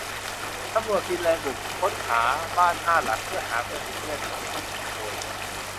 ตำรวจฟินแลนด์บุกค้นบ้านห้าหลังเพื่อหาเฟอร์นิเจอร์ในเกมที่ถูกขโมย